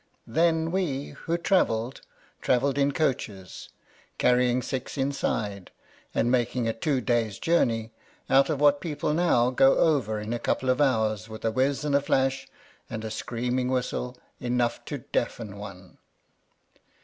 Then we, who tra velled, travelled in coaches, carrying six inside, and making a two days' journey out of what people now go over in a couple of hours with a whizz and a flash, and a screaming whistle, enough to deafen one.